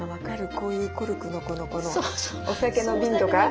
こういうコルクのこのお酒の瓶とか。